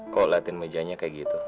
kok latihan mejanya kayak gitu